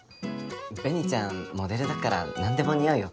紅ちゃんモデルだから何でも似合うよ。